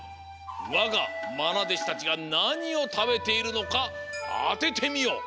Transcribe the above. わがまなでしたちがなにをたべているのかあててみよ。